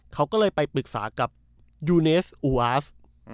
เขาก็เลยไปปรึกษากับยูเนสอูอาฟ